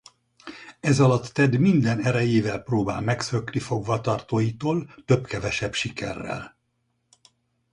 Ezalatt Ted minden erejével próbál megszökni fogva tartóitól több-kevesebb sikerrel.